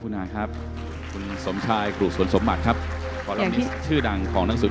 เพราะฉะนั้นเราทำกันเนี่ย